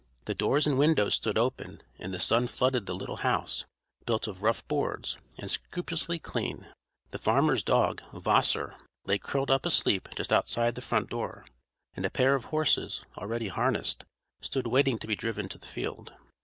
The doors and windows stood open, and the sun flooded the little house, built of rough boards, and scrupulously clean. The farmer's dog, Wasser, lay curled up asleep just outside the front door, and a pair of horses, already harnessed, stood waiting to be driven to the field.